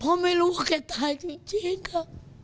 เพราะไม่รู้ว่าแกตายจริงค่ะ